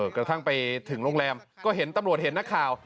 กระทั่งไปถึงโรงแรมก็เห็นตำรวจเห็นนักข่าว